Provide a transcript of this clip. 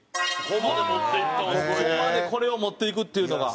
ここまでこれを持っていくっていうのが。